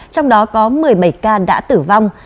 trong đó có một mươi bảy ca đã tử vong